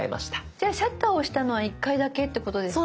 じゃあシャッターを押したのは１回だけってことですか？